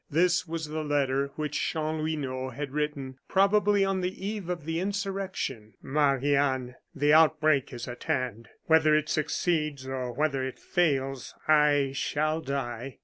This was the letter which Chanlouineau had written, probably on the eve of the insurrection: "Marie Anne The outbreak is at hand. Whether it succeeds, or whether it fails, I shall die.